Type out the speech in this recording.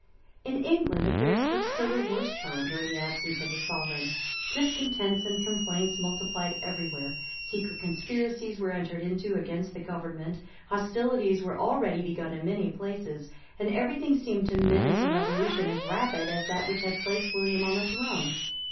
In England affairs took still a worse turn during the absence of the sovereign. Discontents and complaints multiplied every where; secret conspiracies were entered into against the government; hostilities were already begun in many places; and every thing seemed to menace a revolution as rapid as that which had placed William on the throne.